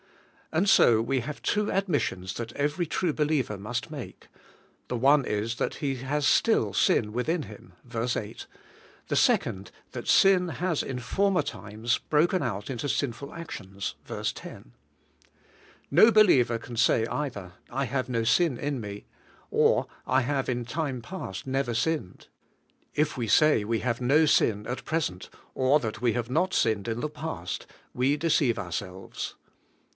And so we have two admissions that every true be liever must make. The one is that he has still sin within him (ver, 8); the second, that that sin has in former times broken out into sinful actions {ver. 10), No believer can say either, 'I hdve no sin in me,' or *I have in time past never sinned.' If we say we have no sin at present, or that we have not sinned in the past, we deceive ourselves.